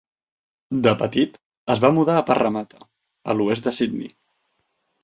De petit, es va mudar a Parramatta, a l'oest de Sydney.